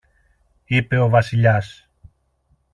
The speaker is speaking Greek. είπε ο Βασιλιάς.